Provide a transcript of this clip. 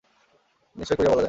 নিশ্চয় করিয়া বলা যায় না।